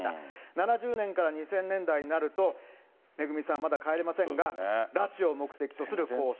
７０年から２０００年代になると、めぐみさんはまだ帰れませんが、拉致を目的とする工作。